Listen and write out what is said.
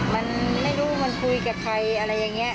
มันไม่รู้มันคุยกับใครอะไรอย่างนี้